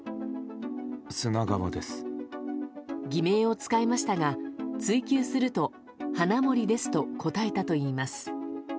偽名を使いましたが追及すると「花森です」と答えたといいます。